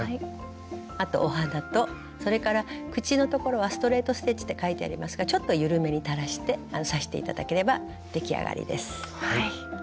あとお鼻とそれから口のところはストレート・ステッチって書いてありますがちょっと緩めに垂らして刺して頂ければ出来上がりです。